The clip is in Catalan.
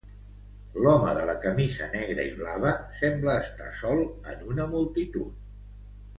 L'home de la camisa negra i blava sembla estar sol en una multitud.